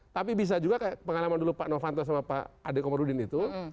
tapi bisa juga kayak pengalaman dulu pak novanto sama pak ade komarudin itu